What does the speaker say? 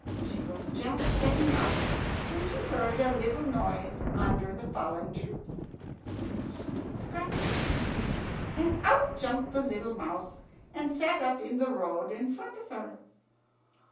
She was just setting out when she heard a little noise under the fallen tree. "Scratch scratch." And out jumped the little mouse, and sat up in the road in front of her.